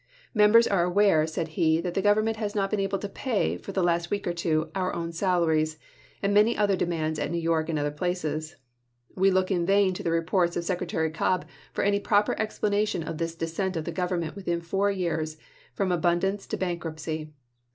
"Members are p. 42.' aware," said he, "that the Government has not been able to pay, for the last week or two, onr own salaries, and many other demands at New York and other places." We look in vain in the reports of Secretary Cobb for any proper explanation of this descent of the Government within four years from abundance to bankruptcy.